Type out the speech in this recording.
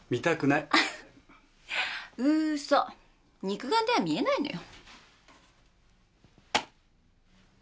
肉眼では見えないのよ。